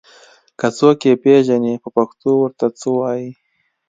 که څوک يې پېژني په پښتو ور ته څه وايي